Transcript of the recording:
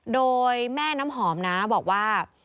โดยแม่น้ำหอมนะบอกว่า